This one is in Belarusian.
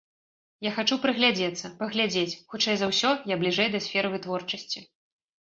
Я хачу прыглядзецца, паглядзець, хутчэй за ўсё, я бліжэй да сферы вытворчасці.